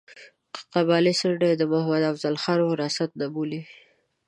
قبایلي څنډه یې د محمد افضل خان وراثت نه بولي.